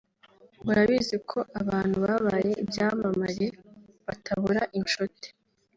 urabizi ko abantu babaye ibyamamare batabura inshuti